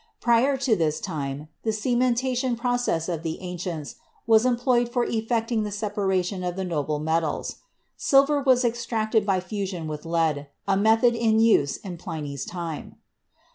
Prior to this time, the cementation process of the ancients was employed for effecting the separation of the noble metals. Silver was extracted by fusion with lead, a method in use in Pliny's time.